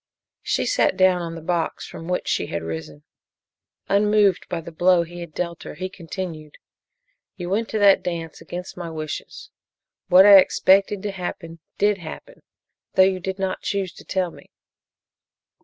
She sat down on the box from which she had risen. Unmoved by the blow he had dealt her, he continued: "You went to that dance against my wishes. What I expected to happen did happen, though you did not choose to tell me.